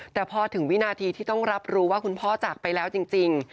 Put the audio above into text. แต่พอถึงวินาทีที่ต้องรับรู้ว่าคุณพ่อจากไปแล้วจริง